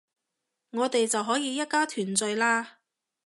我哋就可以一家團聚喇